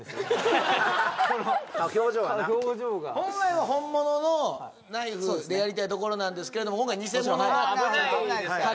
表情はな本来は本物のナイフでやりたいところなんですけれども今回偽物の危ないですからね